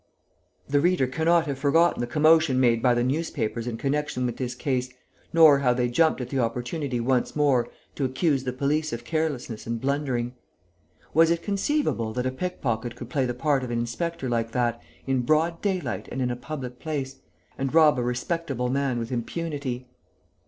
The reader cannot have forgotten the commotion made by the newspapers in connection with this case, nor how they jumped at the opportunity once more to accuse the police of carelessness and blundering. Was it conceivable that a pick pocket could play the part of an inspector like that, in broad daylight and in a public place, and rob a respectable man with impunity?